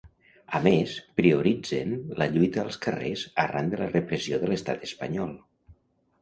A més, prioritzen la lluita als carrers arran de la repressió de l'estat espanyol.